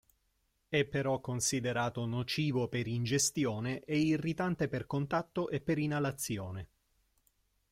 È però considerato nocivo per ingestione, e irritante per contatto e per inalazione.